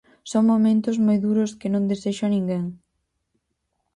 Son momento moi duros que non desexo a ninguén.